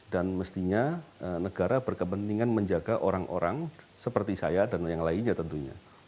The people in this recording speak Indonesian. dan mestinya negara berkepentingan menjaga orang orang seperti saya dan yang lainnya tentunya